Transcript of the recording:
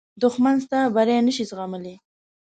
دښمن ستا بری نه شي زغملی